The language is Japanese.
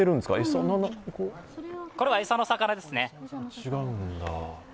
餌これは餌の魚ですね。